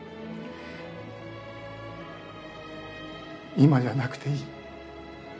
今じゃなくていい。